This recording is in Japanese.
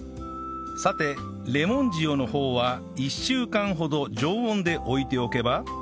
さてレモン塩の方は１週間ほど常温で置いておけば